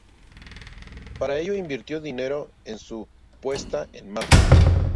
Para ello invirtió dinero en su puesta en marcha.